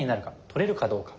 取れるかどうか。